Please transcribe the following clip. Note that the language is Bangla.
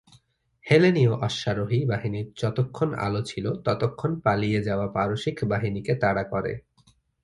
হেলেনিয় অশ্বারোহী বাহিনী যতক্ষণ আলো ছিল ততক্ষণ পালিয়ে যাওয়া পারসিক বাহিনীকে তাড়া করে।